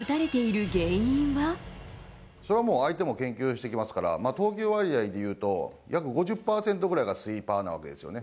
では大谷が打たれている原因は。それはもう相手も研究してきますから、投球割合で言うと、約５０％ぐらいがスイーパーなわけですよね。